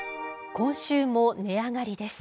今週も値上がりです。